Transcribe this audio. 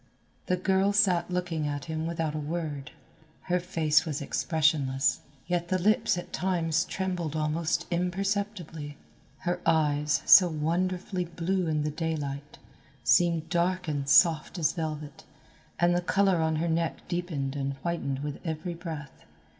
The girl sat looking at him without a word. Her face was expressionless, yet the lips at times trembled almost imperceptibly. Her eyes, so wonderfully blue in the daylight, seemed dark and soft as velvet, and the colour on her neck deepened and whitened with every breath.